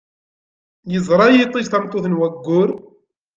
Yeẓra yiṭij tameṭṭut n waggur.